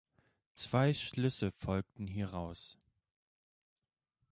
Zwei Schlüsse folgten hieraus.